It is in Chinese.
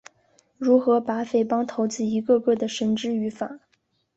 如何把匪帮头子一个个地绳之于法？